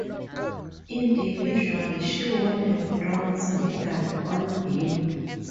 Individually, she won the bronze medal on beam.